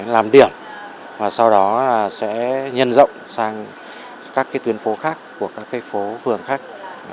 làm điểm và sau đó sẽ nhân rộng sang các tuyến phố khác của các cái phố phường khác